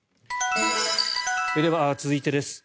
では、続いてです。